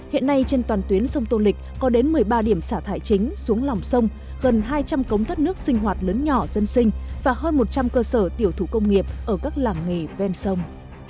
hiện nay trên toàn tuyến sông tô lịch có đến một mươi ba điểm xả thải chính xuống lòng sông gần hai trăm linh cống thoát nước sinh hoạt lớn nhỏ dân sinh và hơn một trăm linh cơ sở tiểu thủ công nghiệp ở các làng nghề ven sông